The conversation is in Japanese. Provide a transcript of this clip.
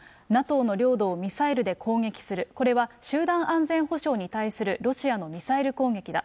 ＮＡＴＯの領土をミサイルで攻撃する、これは集団安全保障に対するロシアのミサイル攻撃だ。